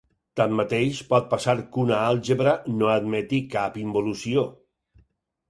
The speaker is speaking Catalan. Tanmateix, pot passar que una àlgebra no admeti cap involució.